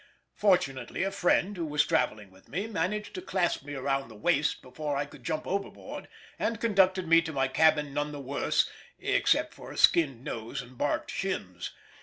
Fortunately a friend who was travelling with me managed to clasp me round the waist before I could jump overboard, and conducted me to my cabin none the worse, except for a skinned nose and barked shins.